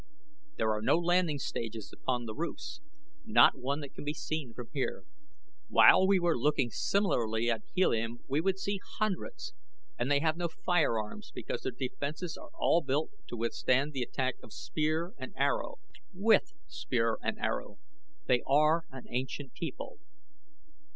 "There are no landing stages upon the roofs not one that can be seen from here; while were we looking similarly at Helium we would see hundreds. And they have no firearms because their defenses are all built to withstand the attack of spear and arrow, with spear and arrow. They are an ancient people."